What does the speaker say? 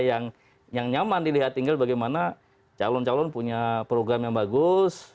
yang nyaman dilihat tinggal bagaimana calon calon punya program yang bagus